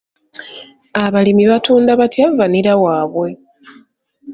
Abalimi batunda batya vanilla waabwe?